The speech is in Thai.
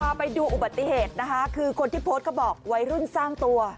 พาไปดูอุบัติเหตุนะคะคือคนที่โพสต์เขาบอกวัยรุ่นสร้างตัว